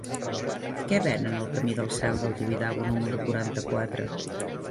Què venen al camí del Cel del Tibidabo número quaranta-quatre?